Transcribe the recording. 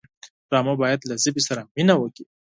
ډرامه باید له ژبې سره مینه وکړي